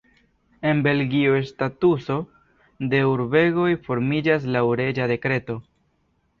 En Belgio statuso de urbegoj formiĝas laŭ reĝa dekreto.